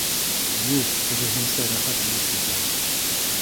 — Юҡ, киреһенсә, рәхәт булып китә